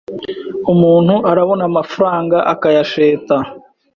umuntu arabona amafaranga akayasheta